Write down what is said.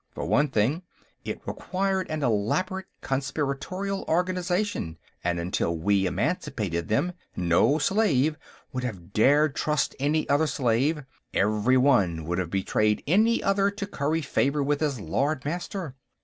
For one thing, it required an elaborate conspiratorial organization, and until we emancipated them, no slave would have dared trust any other slave; every one would have betrayed any other to curry favor with his Lord Master.